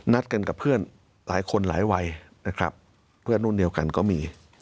นัดกันกับเพื่อนหลายคนหลายวัยนะครับเพื่อนรุ่นเดียวกันก็มี